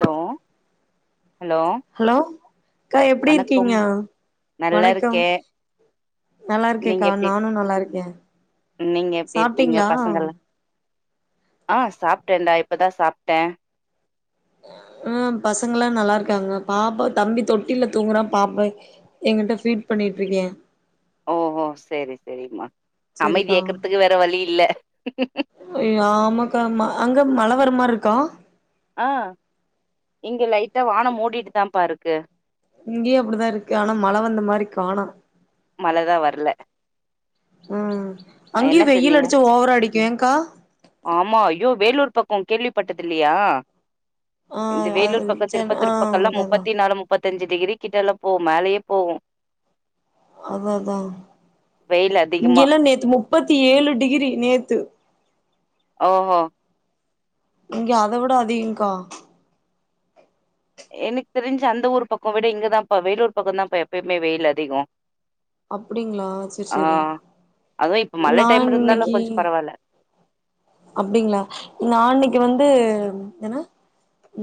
Hello hello hello அக்கா எப்டி இருக்கீங்க வணக்கம் நல்லா வணக்கம் இருக்கே நீங்க நல்லாருக்கேக்கா எப்டி நானு நல்லாருக்க நீங்க எப்டி இருக்கீங்க சாப்ட்டீங்களா பசங்கள்லா ஆ சாப்ட்டேன்டா இப்பதா சாப்ட்ட ஆ பசங்கள்லா நல்லா இருக்காங்க பாப்பா தம்பி தொட்டில தூங்குறா பாப்பா எங்கிட்ட ஃபீட் பண்ணிட்ருக்கே ஓஹோ செரி செரிம்மா செரிக்கா அமைதியாக்குறதுக்கு வேற வழி இல்ல க்கா மழை வர மார்ருக்கா ஆ இங்க லைட் ட வானம் மூடிட்டு தாம்ப்பா இருக் க்கு இங்கையு அப்டிதா இருக்கு ஆனா மழை வந்த மாரி காணோ மழதா வர்ல ஆ அங்கயு வெயில் அடிச்சா ஓவரா அடிக்கு ஏங்க்கா பக்க கேள்விப்பட்டதில்லையா ஆ இந்த அது வேலூர் பக்க சென் ஆ திருப்பத்துர் பக்கல்லா அதா அதா முப்பத்தி நாலு முப்பத் முப்பத்திஞ்சி டிகிரி கிட்டல போவு மேலேயே போவு அதா அதா வெயில் அதிகமா இங்கெல்லா நேத்து முப் முப்பத்தி ஏழு டிகிரி நேத்து ஓஹோ இங்க அத விட அதிகங்க்கா எனக்கு தெரிஞ்சி அந்த ஊர் பக்க விட இங்கதாப்பா வேலூர் பக்கந்தாப்பா எப்பையுமே வெயில் அதிக அப்டிங்களா செரி செரி அதுவு இப்ப மழ நா டைம் இருந்தாலு இன்னைக்கி கொஞ்ச பரவாயில்ல அப்டிங்களா நா இன்னைக்கு வந்து என்னா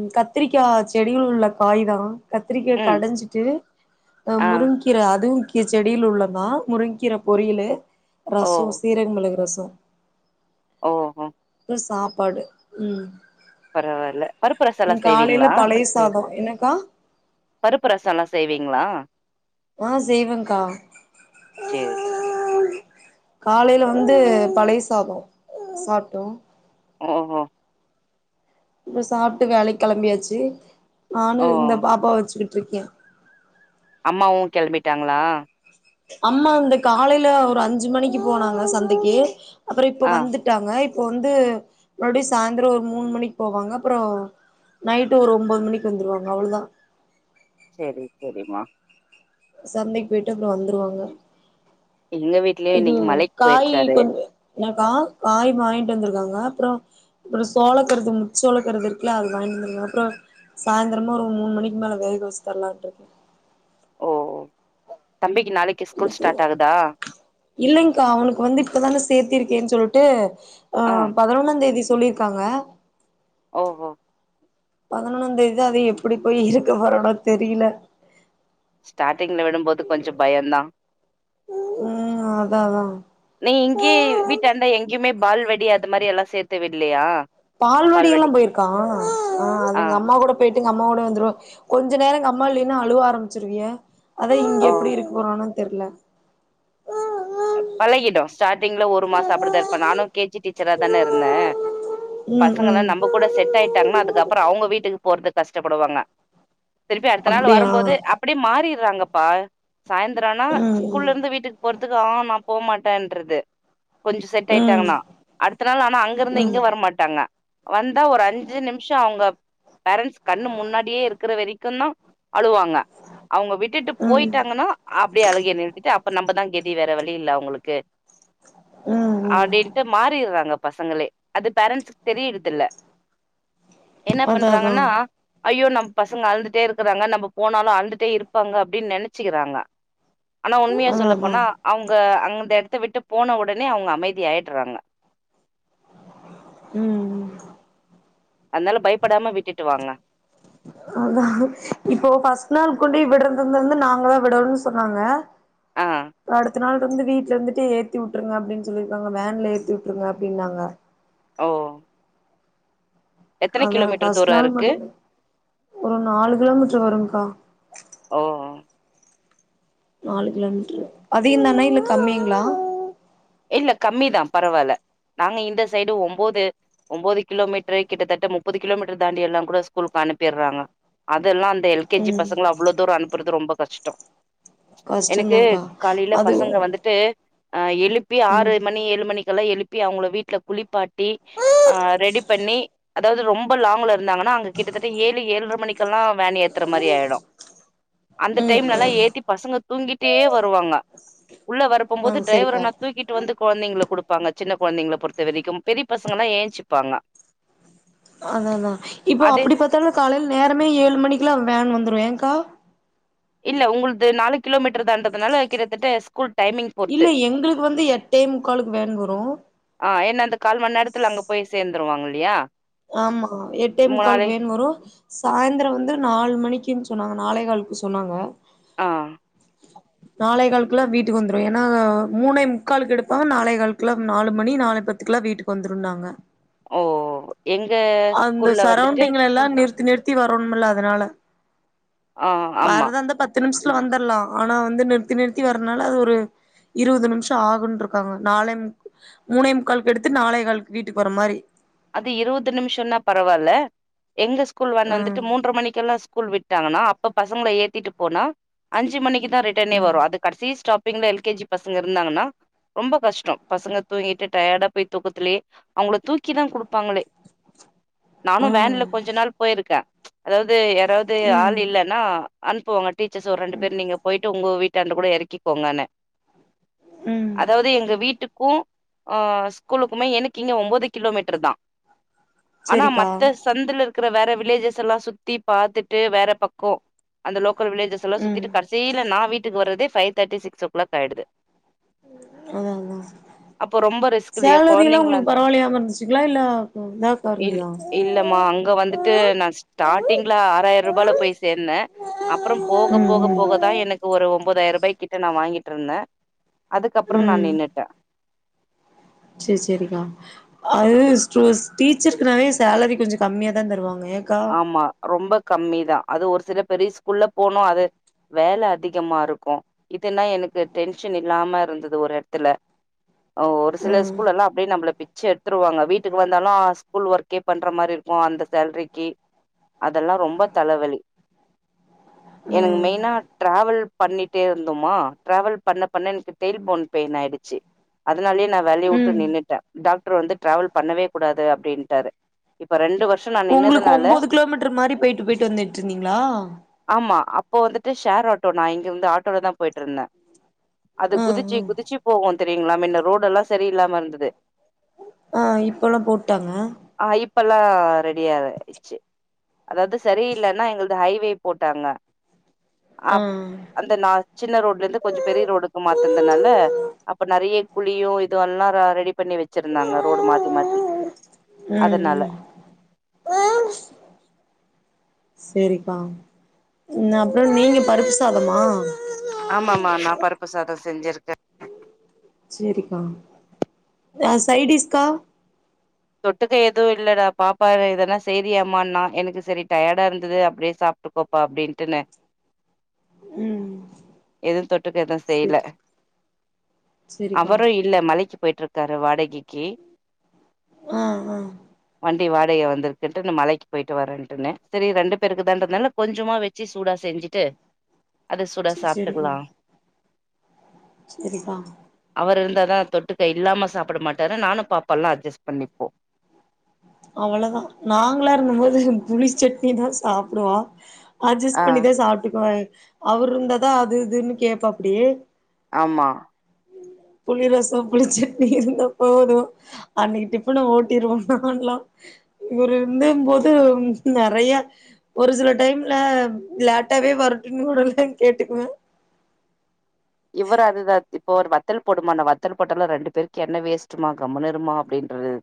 ம் கத்திரிக்கா செடில உள்ள காய்தா கத்திரிக்கா ம் கடஞ்சிட்டு ஆஹ் ஆ முருங்கீர அதுவு செடியிலுள்ளதா முருங்கீர பொரியலு ரசோ சீரக மெளகு ரசோ த்து ஓ ஹோ சாப்பாடு உம் பரவாயில்ல பருப்பு ரசலா செய்வீங்ளா பழைய சாதோ என்னக்கா பருப்பு ரசலா செய்வீங்ளா ஆஹ் செய்வேங்க்கா சேரி காலைல வந்து பழைய சாதோ சாப்ட்டோ ஓஹோ இந்த சாப்ட்டு வேலைக்கெளம்பியாச்சு நானு ஓ இந்த பாப்பா வச்சுக் டுக்கே அம்மாவு கெளம்பிட்டாங்ளா அம்மா இந்த காலைல ஒரு அஞ்சு மணிக்கு போனாங்க சந்தைக்கு அப்பறோ இப்ப ஆ வந்துட்டாங்க இப் இப்ப வந்து மறுபடியு சாய்ந்ரோ ஒரு மூணு மணிக்கு போவாங்க அப்பறோ நைட்டு் ஒரு ஒம்போது மணிக்கு வந்துருவாங்க அவ்ளோதா சேரி செரிமா சந்தைக்கு போய்ட்டு [unintelligible] வந்துருவாங்க எங்க வீட்லயு இன்னைக்கு மலைக் பொயிற்க்காரு ஏன கா காய் வாயின்ட்டு வந்திருக்காங்க அப்றோ அப்றோ சோளக்கருது மு சோளக்கருது இருக்குல்ல அது வாங்கிட்டு வந்திருக்காங்க அப்றோ சாயந்திரமா ஒரு மூணு மணிக்கு மேல வேக வச்சு தரலான்னு இருக்கே ஓ ஓ தம்பிக்கி நாளைக்கு ஸ்கூல் ஸ்டார்ட் ஆகுதா இல்லைங்க்கா அவுனுக்கு வந்து இப்போ தானே சேத்தியிருக்கேன்னு சொல்ட்டு ஆ ஆஹ் பதினொன்னாந்தேதிஸ் சொல்லிருக்காங்க ஓஹோ பதினொன்னாம்ந்தேதிதா அது எப்டி போய் இருக்க போறானோ தெரியல ஸ்டார்ட்டிங்ல விடும்போது கொஞ்சோ பயந்தா ம் அதா அதா நீ இங்கே வீட்டான்ட எங்கயுமே பால்வடி அது மாரி எல்லா சேத்து விட்லையா பால்வடில்லா போயிருக்கான் ஆஹ் அது ஆ எங்க அம்மா கூட போயிட் அம்மாவோட வந்துருவ கொஞ்ச நேரங்கம்மா இல்லைன்னா அழுவ ஆரம்மிச்சிருவியே அதா இங்க ஓ எப்டி இருக்கப்போறானோத் தெர்ல அ பழகிட்டோஸ் ஸ்டார்டிங்க்ல ஒரு மாச அப்படிதா இருப்பே நானும் கேஜி டீச்சரா தானே இருந்தே ம் பசங்கள்லா ம் நம்ம கூட செட் ஆயிட்டாங்ன்னா அதுக்கப்பறோ அவுங்க வீட்டுக்கு போறது கஷ்டப்படுவாங்க திருப்பி அடுத்த நாள் அப்டியா வரும்போது அப்படியே மாறிடுறாங்க ப சாயந்தரம்னா ம் ம் ஸ்கூல்ல இருந்து வீட்டுக்கு போறதுக்கு நான் போமாட்டேன்றது கொஞ்சம் செட் ம் ஆயிட்டாங்கன்னா அடுத்த நாள் ஆனா அங்க இருந்து ம் இங்கே வரமாட்டாங்க வந்தா ஒரு அஞ்சு நிமிஷம் அவங்க பேரன்்ஸ் கண்ணு முன்னாடியே இருக்கிற வரைக்கும் தான் அழுவாங்க அவங்க விட்டுட்டு ம் போயிட்டாங்கன்னா அப்படியே அழுகேன்ன எழுட்டுட்டு நம்ப தாங்க வேற வழி இல்ல உங்களுக்கு ம் ம் அப்படின்ட்டு மாறிடுறாங்க பசங்களே அது பேரண்ட்ஸு்க தெரியடுதுல என்ன அதா அதா பண்றாங்கன்னா ஐயோ நம்ம பசங்க அழந்துட்டே இருக்கிறாங்க நம்ம போனாலும் அழுழ்ந்துட்டே இருப்பாங்க அப்படின்னு நினைச்சுிக்கிறாங்க ஆனா உண்மையா அதா அதா சொல்லப்போனா அவங்க அந்த இடத்த விட்டு போன உடனே அவங்க அமைதி ஆயிடுறாங்க உம் அதனால பயப்படாம விட்டுட்டு வாங்க அதான் இப்போ பஃபர்ஸ்ட் நாள் கொண்டுய விடுறது இருந்து நாங்க தான் விடணும்னு சொன்னாங்க ஆஹ் எத்த நாள் இருந்து வீட்டுல இருந்துட்டே ஏத்தி விட்டுருங்க அப்படின்னு சொல்லிருக்காங்க வேன்ல ஏத்தி விட்டுருங்க அப்படின்னாங்க ஓஹ் அத பஸ்ட் தூரோ நாள் இருக்கு மட்டும் ஒரு நாலு கிலோமீட்டர் வரும்்கா ஓஹ் நாலு கிலோ மீட்ரு அதையும் தானா இல்ல கம்மிங்களா இல்ல கம்மி தான் பரவாயில்ல நாங்க இந்த சைடு ஒன்பது ஒன்பது கிலோமீட்டர் கிட்டத்தட்ட முப்பது கிலோமீட்டர் தாண்டி எல்லா கூட ஸ்கூலுக்கு அனுப்பிடுறாங்க அதெல்லா எல் கே ஜி ம் பசங்க அவ்ள தூரம் அனு அப்புறது ரொம்ப கஷ்டம் எனக்கு கஷ்டந்தாக்கா காலையில அது பசங்க வந்துட்டு ஆஹ் எழு ஆறு ம் மணி ஏழு மணிக்கு எழுப்பி அவங்க வீட்ல குளிப்பாட்டு ரெடி பண்ணி அதாவது ரொம்ப ரொம்ப லாங்ல இருந்தாங்கன்னா அங்க கிட்டத்தட்ட ஏழு ஏழுரை மணிக்கெ எல்லாம் வேன் ஏத்துற மாதிரி ஆயிடும் அந்த ம் டைம்லல்லாம் ம் ஏத்தி பசங்க தூங்கிட்டே வருவாங்க உள்ள ஆ வரப்பபோது டிரைவர் சரிக்கா ட்டு வந்து குழந்தைங்களை குடுப்பாங்க சின்ன குழந்தைங்களை பொறுத்த வரைக்கும் பெரிய பசங்கல்லாம் ஏஞ்சிப்பாங்க ஆ அதா அதா இப்போ அது அப்புடி பாத்தாலும் காலையில் நேரமே ஏழு மணிக்குலா வேன் வந் துரு ஏங்க்கா இல்ல உங்குள்து நாலு கிலோமீட்டர் தாண்ட்றதுனால கிட்டத்தட்ட ஸ்கூல் டைமிங் பொறுத்து. இல்லே எங்குளுக் வந்து எட்டே முக்காளுக்கு வேன் வரோ த கால் மண் நேரத்துல அங்க போயி சேந்துருவாங்கில்லியா ஆமா எட்டே முக்காலுக்கு வேன் வரூ சாயிந்தர வந்து நால் மணி கின் சொன்னாங்கே நாலேகால்க்கு சொன்னாங்கே ஆ நாலே கால்க்குல்லா வீட்டுக் வந்துரோ ஏனா மூணே முக்காலுக்கு எடுப்பாங்கே நாலே கால்குல்லா நாலு மணி நாலே பத்துக்கலா வீட்டுக் வந்துருன் நாங்கே ஓ எங்க அந்த ஸ்கூல்ல வந்துட்டு சரவுண்டிங்லே எல்லா நிற் தி நிறுத்தி வரோண்ணும்ல்லே அதுனாலே ஆ ஆமா வர்தாந்தா பத்து நிமிஷ் வந்தர்லா ஆனா வந்து நிறுத்தி நிறுத்தி வரனால அது ஒரு இருபது நிம்ஷ ஆகுனு இருக்காங்க நாளே மூணே முக்காலக்கு எடுத்து நாளே கால் வீட்டுக்கு வற மாரி அது இருவுது நிம்ஷம்னா பரவால்ல எங்க கூல் வேன் ம் வந்துட்டூ மூண்டற மணிக்கெல்லா ஸ் ஸ்கூல் விட்டாங்கன்னா அப்ப பசங்கள ஏத்திட்டு போனா அஞ்சு மணிக்கு தா ரிட்டனே ம் வரோ அது கட்சீ ஸ்டாப் பிங்லே எல் கே ஜி பசங்க இருந்தாங்கனா ரொம்போ கஷ்டோ பசங்க தூங்கிட்டூ டயர்டா போயி தூக்கத்துலயே அவுங்கள தூக்கி கி தா குடுப்பாங்களே நானு வேன்ல ம் கொஞ்ச நாள் போயிருக்கே அதாவ்து அது யாராவ்து ஆள் ம் இல்லனா அன்ப்போங்க டீச்சர்ஸ் ஒர் ரெண்டு பேர் நீங்க போயிட்டு உங்கு வீட் டாண்டே கூட எறக்கிக்கோங்கேனே ம் அதாவ்து எங்க வீட்டுக்கு அ ஸ்கூலுக்குமே எனக்கிங்க ஒம்போதிக் கிலோமீட்ரு தா ஆனா செரிக்கா மத்த சந்துல இருக் க்கிற வேற வில்லேஜஸ் எல்லா சுத்தி பாத்துட்டூ வேற பக்கோ அந்த லொக் கல் வில்லேஜஸ் எல்லா ம் சுத்திட்டு கட்சீல நா வீட்டுக்கு வரதே five thirty six o'clock ஆயிடுது அதா அதா அப்போ ரொம்ப ரிஸ்க் இல்யா சேலரி எல்லா உங்களுக்கு கொழந்தீங்களாந்தா பரவாயில்லையாம இருந்துச்சுங்களா இல்ல இதாக்கா இல்லு இருந்ததா இல்லமா அங்கே வந்துட்டூ நா ஸ்டார்ட்டிங்லே ஆறாயர் ரூபால போயி சேந்நே அப்புறம் போக ம் போக ம் போகதா எனக்கு ஒரு ஒன் போதாயரபா கிட்ட நா வாங்கிட்ருந்த அதுக்கப்ற நா நின்னுட்ட சரி சரிங்க அ டீச்சர்க்குனாவே சேலரி கொஞ்ச கம்மியா தான் தருவாங்க ஏக்கா ஆமா ரொம்ப கம்மி தான் அது ஒரு சில பெரிய ஸ்கூல்ல போனும் அது வேலை அதிகமா இருக்கும் இதுன்னா எனக்கு டென்ஷன் இல்லாம இருந்தது ஒரு இடத்துல ஒரு சில ம் ஸ்கூல் எல்லா அப்ப நம்ம பிச்ச எடுத்துருவாங்க வீட்டுக்கு வந்தாலும் ஸ்கூல் ஒர்கே பண்ற மாதிரி இருக்கு அந்த சேலரி அதெல்லாம் ரொம்ப தலைவலி எனக்கு ம் மெய்னா டிரவல் பண்ணிட்டே இருந்தமா டிரவல் பண்ண பண்ண எனக்கு டெயில் போன் பெயின் ஆயடுச்சு அதனாலயே நான் வேலையை விட்டு ம் நின்னுட்டேன் டாக்டர் வந்து டிரவல் பண்ணவே கூடாது அப்படின்டாரு இப்ப ரெண்டு வருசம் ந நின்னது ஒன்பது கிலோமீட்டர் மாதிரி போயிட்டு போயிட்டு வந்துட்டு இருந்தீங்களா ஆமா அப்போ வந்துட்டு ஷேர் ஆட்டோ நான் இங்க வந்து ஆட்டோலதான் போயிட்டு இருந்தேன் அது ஆ குதிச்சு ஆ குதிச்சு போகோ தெரியங்களா முன்ன ரோடு எல்லாம் சரியில்லாம இருந்தது ஆஹ் இப்பல்லாம் போட்டாங்க ல்லாம் ரெடியாது இச்சு அதாவது சரி இல்லன்னா எங்களது ஹைவே போட்டாங்க அ ஆ அந்த நான் சின்ன ரோடுல இருந்து கொஞ்சம் பெரிய ரோடுக்கு மாத்துனால அப்ப நிறைய புளியோ இதுவல்லா ர ரெடி பண்ணி வெச்சிருந்தாங்க ரோடு மாத்தி மாத்தி அதனால ம் செரிப்பா உ நா அப்புறோ நீங்க பருப்பு சாதமா ஆமாமா நா பருப்பு சாதோ செஞ்சிருக்கே செரிக்கா ஆ சைட்டிஸ்கா தொட்டுக்க எதுவு இல்லடா பாப்பா இ இதனா செய்ரியாமான எனக்கு செரி டயர்டா இருந்தது அப்டே சாப்ட்டுக்கோப்பா அப்டின்ட்டுன ம் எதும் தொ டுக் எதோ செய்ல சேரி செரிக்கா அவரு இல்ல மலைக்கு போய்ட்டுருக் தர வாடகைக்கி ஆ ஆ வண்டி வாடகைய வந்திருக்குன்ட்டு இந்த மலைக்கு போயிட்டு வரேன்ட்டு செரி ரெண்டு பேருக்கு தான்றதுால கொஞ்சமா வெச்சு சூடா செஞ்சுட்டு அத சூடா சாப்பிட்டுக்கலாம் செரிப்பா அவர் இருந்தா தொட்டுக்க இல்லாம சாப்பிட மாட்டாரு நானு பாப்பாலா அட்ஜஸ் பண்ணி போ அவ்ளோதா நாங்களா இருந்த மோது புளி சட்னிதா சாப்புடுவா அட்ஜஸ்ட் ஆ பண்ணிதா சாப்ட்டுக்குவே அவுர் இருந்தாதா அது இதுன்னு கேப்பாப்பிடி ஆமா புளி ரசோ புளிச்சட்னி இருந்தா போதோ அன்னிக்கு டீபன ஓட்டிருவோனா ஆன்லா இவரு இருந்தன் போது நெறைய ஒரு சில டைம்ல லேட்டாவே வரட்டுன்னு கூடல்லா கேட்டுக்குவே இவரு அதுதா போ ஒரு வத்தல் போடுமானா வத்தல் போட்டாலு ரெண்டு பேருக்கு எண்ணெ வேஸ்ட்டுமா கம்முணு இருமா அப்டின்றது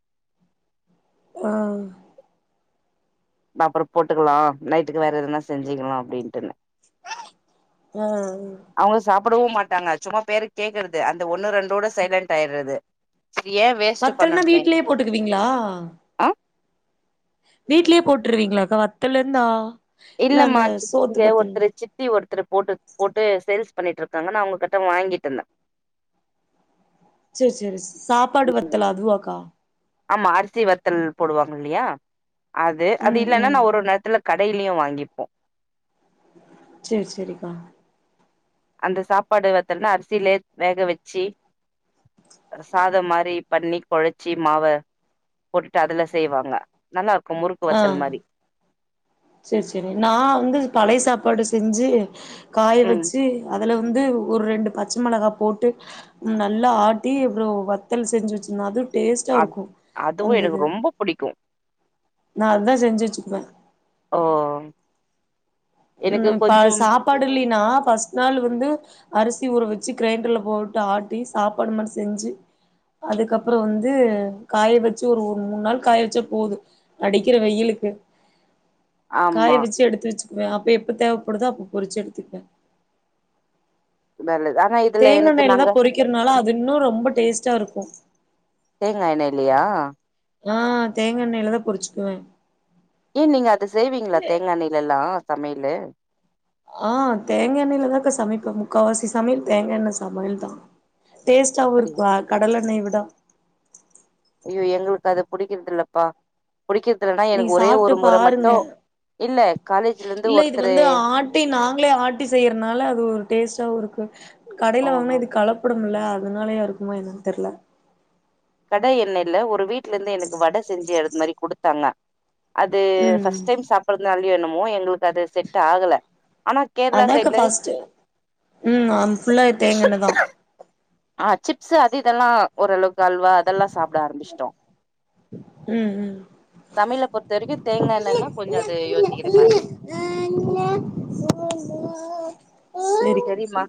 ஆ நா அப்பறோ போட்டுக்கலா நைட்டுக்கு வேற எதனா செஞ்சுக்கலா அப்டின்ட்டுனே ஆ படவு மாட்டாங்க சும்மா பேருக் கேக்குறது அந்த ஒன்னு ரெண்டோட சைலண்ட் ஆயிறது செரி ஏ வேஸ்ட் வத்தல்னா பண்ணணுமே வீட்லயே போட்டுக்குவீங்ளா ஆ வீட்லயே போட்டுருவீங்ளா அக்கா வத்தலிந்தா இல்லமா ச்ச இங்க ஒருத்தரு சித்தி ஒருத்தரு போட்டு போட்டு சேல்ஸ் பண்ணிட்டுருக்காங்க நா அவுககிட்ட வாங்கிட்டுருந்தே செரி செரி ஸ் சாப்பாடு வத்தல் அதுவாக்கா ஆமா அரிசி வத்தல் போடுவாங்க இல்லியா அது அது ம் இல்லன்னா ம் நா‌ ஒரு ஒரு நேரத்துல கடையிலையு வாங்கிப்போ செரி செரிக்கா அந்த சாப்பாடு வத்தல்னா அர்சிலே வேக வெச்சு சாதம் மாரி பண்ணி குழச்சி மாவ போட்டுட்டு அதுல செய்வாங்க நல்லா இருக் முறுக்கு வத்தல் மாரி செரி செரி நா வந்து பழைய சாப்பாடு செஞ்சு காய ம் வச்சு அதுல வந்து ஒரு ரெண்டு பச்சை மிளகா போட்டு நல்லா ஆட்டி எ வத்தல் செஞ்சு வச்சுருந்தா அது டஸ்ட்டா அத் இருக்கும் அதுவு எனக்கு அந்தது ரொம்ப புடிக்கு நான் அததான் செஞ்சு வச்சுக்குவேேன் ஓ உம் எனக்கு இப்ப கொஞ்சம் சாப்பாடு இல்லனா பஸ்ட் நாள் வந்து அ ி ஊற வச்சு கிரைண்டர்ல போயட்டு ஆட்டி சாப்பாடு மாதிரி செஞ்சு அதுக்கப்புறம் வந்து காய வச்சு ஒரு ஒ மூணு நாள் காய வச்சா போது நடிக்கிற வெயிலுக்கு ஆமா காய் வச்சு எடுத்து வச்சு அப்ப எப்ப தேவைப்படுதோ அப்ப பொரிச்சு எடுத்துக்கேன் மே தேங்கெண்ணயில தான் பொரிக்கிறதுனால அது இன்னும் ரொம்ப டேஸ்டா இருக்கும் தேங்கா எண்ணெய்லயா ஆஹ் தேங்க் எண்ணயிலதான் பொரிச்சுக்குவேன் ஏ நீங்க அது செய்வீங்களா தேங்காய்ண்ணில எல்லாம் சமையல ஆஹ் தேங்காய் எண்ணயில இருதாக்கா சமைப்பேன் முக்கால்ாவாசி சமையல் தேங்காய எண்ணெய சமையல் தான் டேஸ்ட்டாவவும் அப்படியா இருக்குவா கடல்ெண்ணய் விட ட ஐ்யோ எங்களுக்கு அத புிடிக்கதலப்பா நீ சாப்பிட்டு பாருங்க இல்ல காலேஜ்ல இருந்து இல்ல இது ஒருத்தரு வந்து ஆட்டி நாங்களே ஆட்டி செய்யறதுனால அது ஒரு டேஸ்ட்ட இருக்கு [inaudible] கடைல ஓஹோ வாங்கனா இது கலப்பட அதனாலயா இருக்குமோ என்னன்னு தெரியல கடை எண்ணெய்ல ஒரு வீட்ல இருந்து எனக்கு வடை செஞ்சு அது மாதிரி கொடுத்தாங்க அது ஃபர்ஸ்ட் டைம் சாப்படுறதுனாலய [unintelligible] அதான்கா சைட்ல ஃபாஸ்ட் உம் அங்க ஃபுள்ளாவே தேங்காய் என்னதான் ஆஹ் சிப்ஸு அது இதெல்லாம் ஓரளவுக்கு அல்வா அதெல்லாம் சாப்பிட ஆரம்பிச்சிட்டோம் உம் உம் சமையல பொறுத்த வரைக்கு தேங்கா எண்ணெய்னா கொஞ்சோ அது யோசிக்கிற மாரி இருக்கு சரிம்மா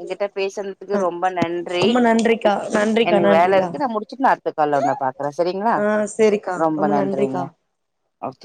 என்கிட்ட பேசனதுக்கு ஆ ரொம்ப நன்றி ரொம்ப நன்றிக்கா நன்றிக்கா எனக்கு வேலை இருக்கு நான் முடிச்சுட்டு நான் அடுத்த கால்ல உன்ன பாக்குறேன் ஆஹ் சரிக்கா ரொம்ப நன்றிக்கா ஓகே